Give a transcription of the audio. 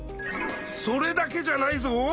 それだけじゃないぞ。